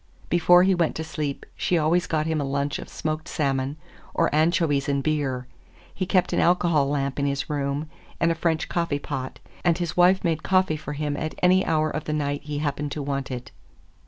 Before he went to bed she always got him a lunch of smoked salmon or anchovies and beer. He kept an alcohol lamp in his room, and a French coffee pot, and his wife made coffee for him at any hour of the night he happened to want it.